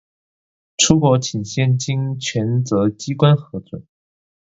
出國請先經權責機關核准